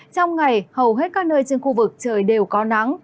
trong ngày hầu hết các nơi trên khu vực trời đều có nắng